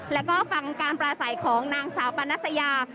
แล้วก็ฟังการปลาใสของนางสาวปานัสยา